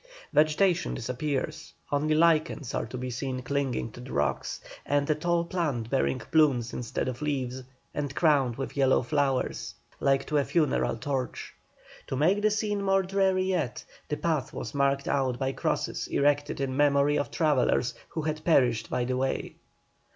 Vegetation disappears, only lichens are to be seen clinging to the rocks, and a tall plant bearing plumes instead of leaves, and crowned with yellow flowers, like to a funeral torch. To make the scene more dreary yet, the path was marked out by crosses erected in memory of travellers who had perished by the way.